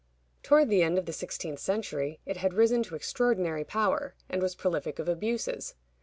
Toward the end of the sixteenth century it had risen to extraordinary power, and was prolific of abuses.